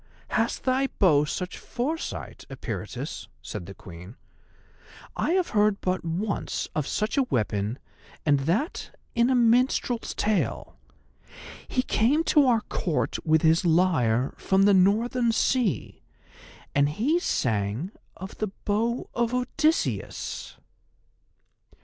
"Has thy bow such foresight, Eperitus?" said the Queen. "I have heard but once of such a weapon, and that in a minstrel's tale. He came to our Court with his lyre from the Northern Sea, and he sang of the Bow of Odysseus."